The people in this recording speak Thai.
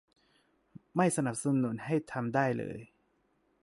ไม่สนับสนุนให้ทำได้เลย